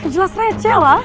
jelas receh lah